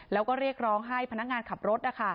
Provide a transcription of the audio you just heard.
แล้วก็เรียกร้องให้พนักงานขับรถ